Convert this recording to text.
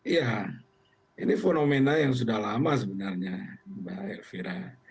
ya ini fenomena yang sudah lama sebenarnya mbak elvira